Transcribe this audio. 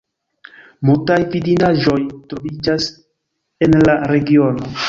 Multaj vidindaĵoj troviĝas en la regiono.